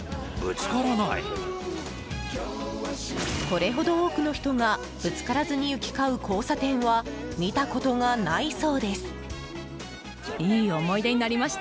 これほど多くの人がぶつからずに行き交う交差点は見たことがないそうです。